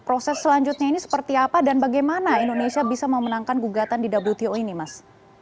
proses selanjutnya ini seperti apa dan bagaimana indonesia bisa memenangkan gugatan di wto ini mas